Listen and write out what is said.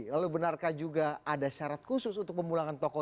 lalu benarkah juga ada syarat khusus untuk pemulangan tokoh